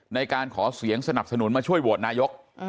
ในการขอเสียงสนับสนุนมาช่วยโหวตนายก